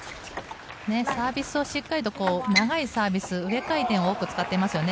サービスをしっかり長いサービス、上回転を多く使っていますよね。